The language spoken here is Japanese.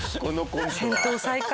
戦闘再開。